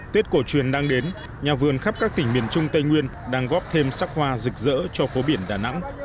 tết cổ truyền đang đến nhà vườn khắp các tỉnh miền trung tây nguyên đang góp thêm sắc hoa rực rỡ cho phố biển đà nẵng